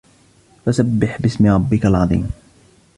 فسبح باسم ربك العظيم